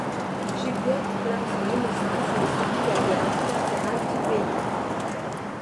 Juliette clame son innocence mais subit la violence carcérale du pays.